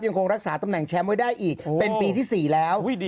ยังคงรักษาตำแหน่งแชมป์ไว้ได้อีกโอ้โหเป็นปีที่สี่แล้วอุ้ยดี